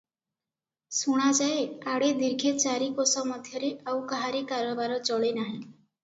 ଶୁଣାଯାଏ, ଆଡ଼େ ଦୀର୍ଘେ ଚାରି କୋଶ ମଧ୍ୟରେ ଆଉ କାହାରି କାରବାର ଚଳେନାହିଁ ।